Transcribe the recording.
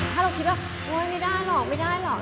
ถ้าเราคิดว่าโอ๊ยไม่ได้หรอกไม่ได้หรอก